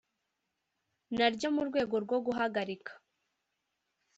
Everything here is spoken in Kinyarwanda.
Naryo mu rwego rwo guhagarika